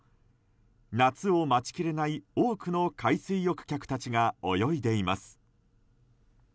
夏を待ちきれない多くの海水浴客たちが泳いでいます。